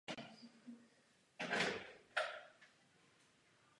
Celkově si obě připsaly pátou deblovou trofej z této nejvyšší úrovně tenisu.